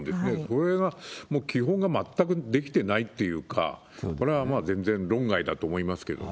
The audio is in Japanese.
これはもう基本が全くできてないというか、これは全然論外だと思いますけど。